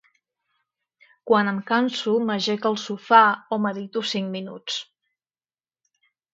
Quan em canso, m'ajec al sofà o medito cinc minuts.